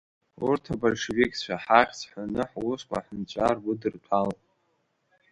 Урҭ абольшевикцәа ҳахьӡ ҳәаны ҳусқәа аҳәынҵәа ргәыдырҭәалон.